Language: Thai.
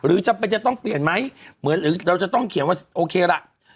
หรือจะต้องเปลี่ยนไหมหรือเราจะต้องเขียนว่าโอเคละ